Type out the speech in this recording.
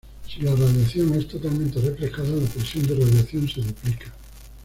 Si la radiación es totalmente reflejada, la presión de radiación se duplica.